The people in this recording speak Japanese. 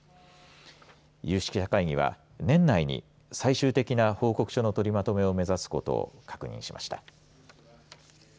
有識者会議は年内に最終的な報告書の取りまとめを目指すことを確認しました。